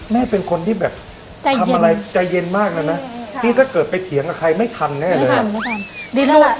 เป็นคนที่แบบทำอะไรใจเย็นมากเลยนะพี่ก็เกิดไปเถียงกับใครไม่ทันแน่เลย